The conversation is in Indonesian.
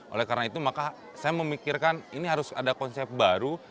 oleh karena itu maka saya memikirkan ini harus ada konsep baru